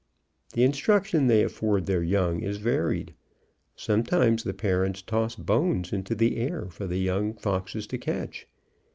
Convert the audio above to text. The instruction they afford their young is varied. Sometimes the parents toss bones into the air for the young foxes to catch.